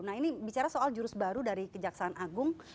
nah ini bicara soal jurus baru dari kejaksaan agung